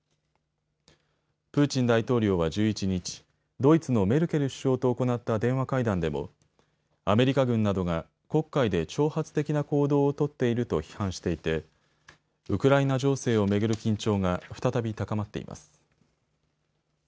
プーチン大統領は１１日、ドイツのメルケル首相と行った電話会談でもアメリカ軍などが黒海で挑発的な行動を取っていると批判していてウクライナ情勢を巡る緊張が再び高まっています。